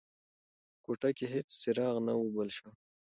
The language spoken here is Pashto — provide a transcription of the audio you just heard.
په کوټه کې هیڅ څراغ نه و بل شوی.